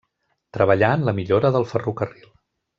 Treballà en la millora del ferrocarril.